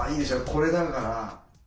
これだから。